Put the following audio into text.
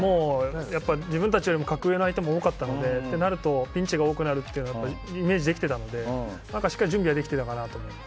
自分たちより格上の相手が多かったのでそうなるとピンチが多くなるとイメージできてたのでしっかり準備はできてたかなと思います。